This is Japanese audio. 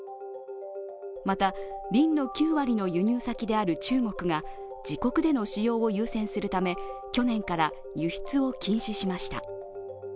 また、リンの９割の輸入先である中国が自国での使用を優先するため、去年から輸出を禁止しました。